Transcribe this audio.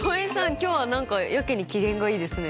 今日は何かやけに機嫌がいいですね。